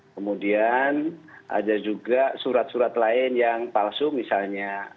kemudian ada juga surat surat lain yang palsu misalnya